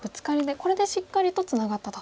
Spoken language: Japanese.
これでしっかりとツナがったと。